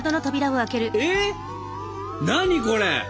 えっ何これ！